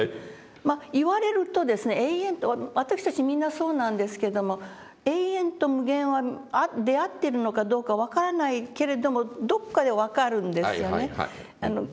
まあ言われるとですね永遠と私たちみんなそうなんですけども永遠と無限は出合ってるのかどうか分からないけれどもどっかで分かるんですよね。